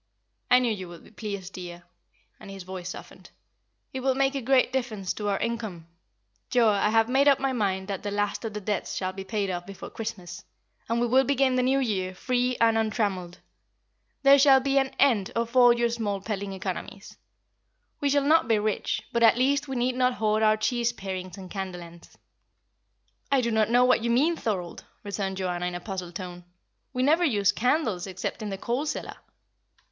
"I knew you would be pleased, dear;" and his voice softened. "It will make a great difference to our income. Joa, I have made up my mind that the last of the debts shall be paid off before Christmas, and we will begin the New Year free and untrammelled. There shall be an end of all your small peddling economies. We shall not be rich, but at least we need not hoard our cheese parings and candle ends." "I do not know what you mean, Thorold!" returned Joanna, in a puzzled tone. "We never use candles except in the coal cellar."